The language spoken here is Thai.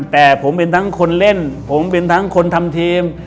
แต่ผมเป็นทั้งคนเล่นผมเป็นทั้งคนทำทีม